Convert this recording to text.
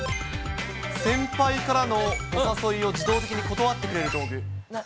先輩からのお誘いを自動的に断ってくれる道具。